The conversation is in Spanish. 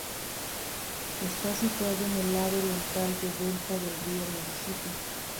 Está situado en el lado oriental del delta del río Misisipi.